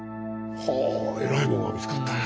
はぁえらいもんが見つかったね。